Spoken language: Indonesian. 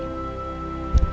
oh iya satu lagi